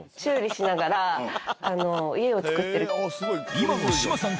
今の志麻さん